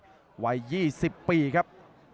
อื้อหือเจาะล่างก่อนเลยครับเพชร